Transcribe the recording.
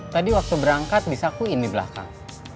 tadi waktu berangkat disakuin di belakang